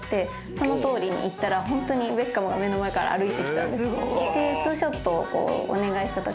そのとおりに行ったらホントにベッカムが目の前から歩いてきたんです。